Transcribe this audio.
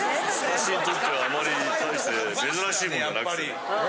私にとってはあまりたいして珍しいもんじゃなくて。